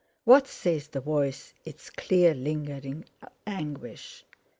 "What says the voice its clear lingering anguish?